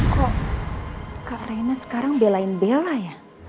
kok kak reina sekarang belain bella ya